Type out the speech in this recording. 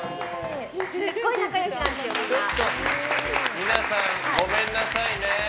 皆さん、ごめんなさいね。